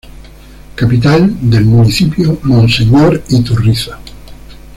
Capital del Municipio Monseñor Iturriza.